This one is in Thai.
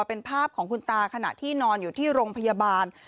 เป็นภาพของคุณตาขณะที่นอนอยู่ที่โรงพยาบาล